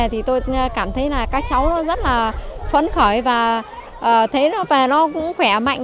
thì tôi cảm thấy là các cháu nó rất là phấn khởi và thấy nó về nó cũng khỏe mạnh